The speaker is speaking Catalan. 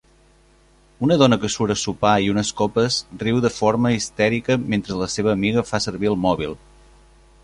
Una dona que surt a sopar i unes copes riu de forma histèrica mentre la seva amiga fa servir el mòbil.